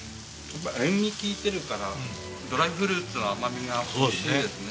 塩味利いてるからドライフルーツの甘みがおいしいですね。